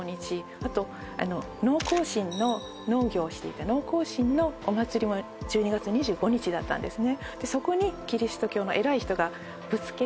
あと農耕神の農業をしていた農耕神のお祭りも１２月２５日だったんですね